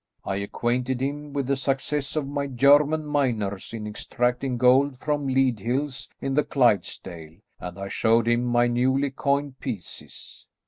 I acquainted him with the success of my German miners in extracting gold from Leadhills in the Clydesdale, and I showed him my newly coined pieces.